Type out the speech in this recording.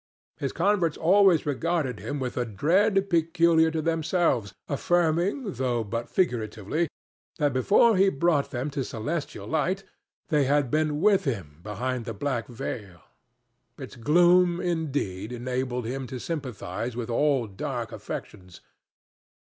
His converts always regarded him with a dread peculiar to themselves, affirming, though but figuratively, that before he brought them to celestial light they had been with him behind the black veil. Its gloom, indeed, enabled him to sympathize with all dark affections.